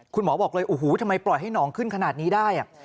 คุณหมอบอกเลยโอ้โหทำไมปล่อยให้น้องขึ้นขนาดนี้ได้